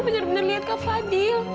bener bener lihat kak fadil